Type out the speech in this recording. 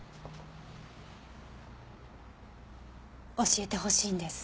教えてほしいんです。